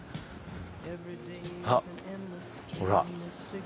あっほら。